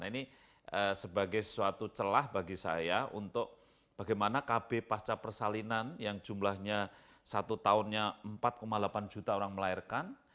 ini sebagai suatu celah bagi saya untuk bagaimana kb pasca persalinan yang jumlahnya satu tahunnya empat delapan juta orang melahirkan